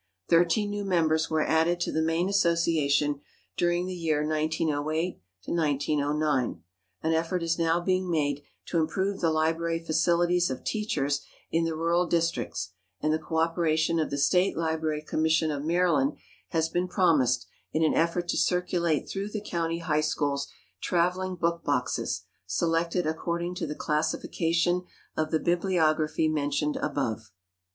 Thirteen new members were added to the main association during the year 1908 09. An effort is now being made to improve the library facilities of teachers in the rural districts; and the co operation of the State Library Commission of Maryland has been promised in an effort to circulate through the county high schools traveling book boxes, selected according to the classification of the Bibliography mentioned above.